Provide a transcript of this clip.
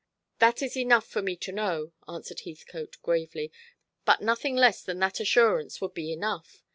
"That is enough for me to know," answered Heathcote gravely, "but nothing less than that assurance would be enough.